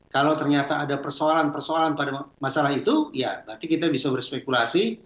kalau ternyata ada persoalan persoalan pada masalah itu ya nanti kita bisa berspekulasi